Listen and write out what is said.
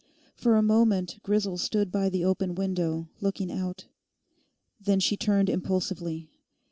For a moment Grisel stood by the open window, looking out. Then she turned impulsively.